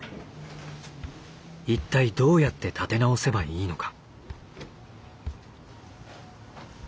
一体どうやって立て直せばいいのか。